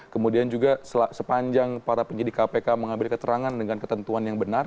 kemudian juga sepanjang para penyidik kpk mengambil keterangan dengan ketentuan yang benar